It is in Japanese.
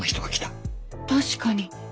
確かに。